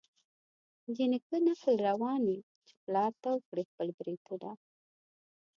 د نیکه نکل روان وي چي پلار تاو کړي خپل برېتونه